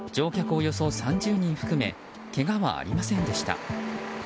およそ３０人含めけがはありませんでした。